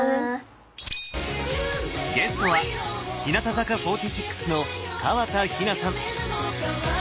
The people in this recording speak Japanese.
ゲストは日向坂４６の河田陽菜さん！